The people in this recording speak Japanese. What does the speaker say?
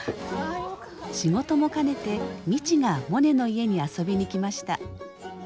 仕事も兼ねて未知がモネの家に遊びに来ました。